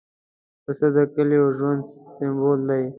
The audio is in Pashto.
پسه د کلیو ژوند سمبول دی.